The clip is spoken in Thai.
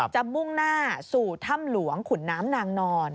มุ่งหน้าสู่ถ้ำหลวงขุนน้ำนางนอน